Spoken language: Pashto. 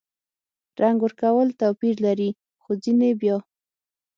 رنګ ورکول توپیر لري – خو ځینې بیا